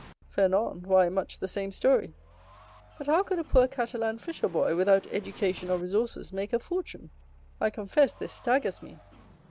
"Fernand? Why, much the same story." "But how could a poor Catalan fisher boy, without education or resources, make a fortune? I confess this staggers me."